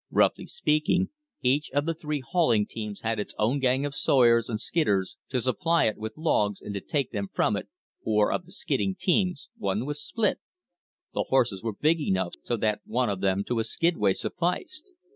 Roughly speaking, each of the three hauling teams had its own gang of sawyers and skidders to supply it with logs and to take them from it, for of the skidding teams, one was split; the horses were big enough so that one of them to a skidway sufficed.